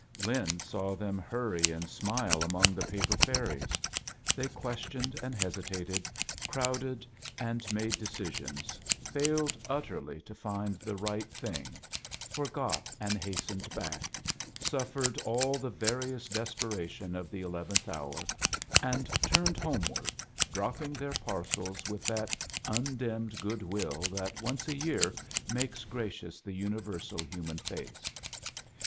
Lin saw them harry and smile among the paper fairies; they quea tioned and hesitated, crowded and made ^/^ A JOURNEY IN SEARCH OF CHRBTHAS decisions^ failed utterly to find the r^ht thing, forgot and hastened, back, suff^ed all the various desperations of the eleventh hour, and turned homeward, dropping their parcels with that undimmed good will that once a year makes gracious the universal human face.